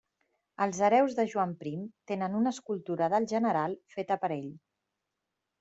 Els hereus de Joan Prim tenen una escultura del general feta per ell.